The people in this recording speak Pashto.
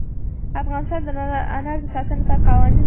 افغانستان د انار د ساتنې لپاره قوانین لري.